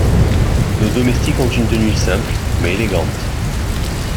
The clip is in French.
Nos domestiques ont une tenue simple, mais élégante.